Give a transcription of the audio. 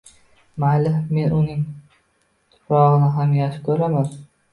Mayli. Men unnng tuprog'ini ham yaxshi ko'raman.